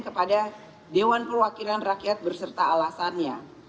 kepada dewan perwakilan rakyat berserta alasannya